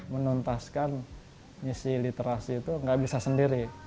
menuntaskan misi literasi itu nggak bisa sendiri